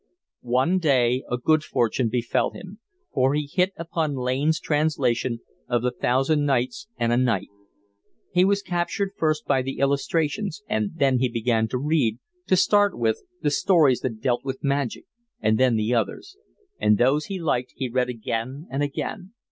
One day a good fortune befell him, for he hit upon Lane's translation of The Thousand Nights and a Night. He was captured first by the illustrations, and then he began to read, to start with, the stories that dealt with magic, and then the others; and those he liked he read again and again.